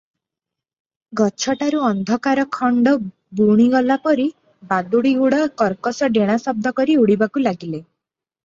ଗଛଟାରୁ ଅନ୍ଧକାରଖଣ୍ତ ବୁଣିଗଲା ପରି ବାଦୁଡ଼ିଗୁଡ଼ା କର୍କଶ ଡେଣା ଶବ୍ଦ କରି ଉଡ଼ିବାକୁ ଲାଗିଲେ ।